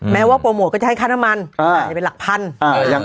แม้ว่าโปรโมทก็จะให้ค่าน้ำมันอาจจะเป็นหลักพัน